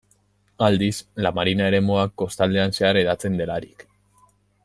Aldiz, La Marina eremuak kostaldean zehar hedatzen delarik.